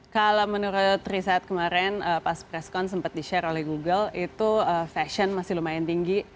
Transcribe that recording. kalau menurut riset kemarin pas preskon sempat di share oleh google itu fashion masih lumayan tinggi